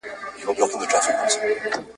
له مانه کیږي دا لاري په سکروټو کي مزلونه ..